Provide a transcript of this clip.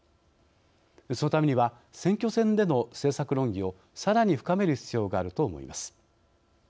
そのためには選挙戦での政策論議をさらに深める必要があると思います。